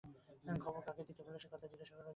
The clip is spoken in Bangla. খবর কাকে দিতে বললেন সে কথা জিজ্ঞাসা করবার জোর ছিল না।